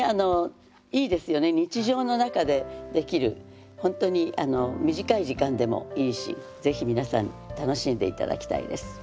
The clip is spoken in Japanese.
日常の中でできる本当に短い時間でもいいしぜひ皆さんに楽しんで頂きたいです。